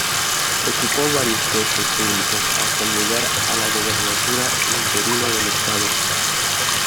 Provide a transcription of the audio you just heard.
Ocupó varios puestos públicos, hasta llegar a la gubernatura interina del estado.